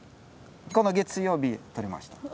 この月曜日に取りました。